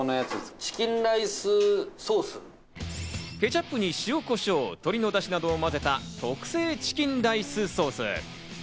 ケチャップに塩こしょう、鶏のだしなどをまぜた特製チキンライスソース。